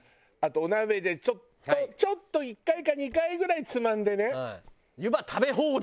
あとお鍋でちょっとちょっと１回か２回ぐらいつまんでね。